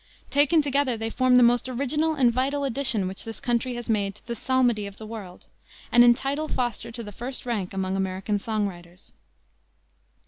Taken together they form the most original and vital addition which this country has made to the psalmody of the world, and entitle Foster to the first rank among American song writers.